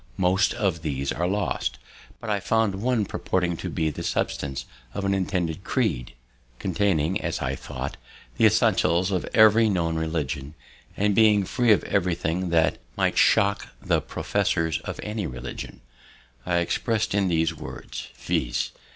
Most of these are lost; but I find one purporting to be the substance of an intended creed, containing, as I thought, the essentials of every known religion, and being free of everything that might shock the professors of any religion. It is express'd in these words, viz.